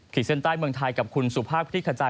เส้นใต้เมืองไทยกับคุณสุภาพคลิกขจาย